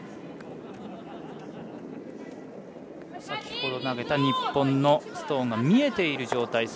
先ほど投げた日本のストーンが見えている状態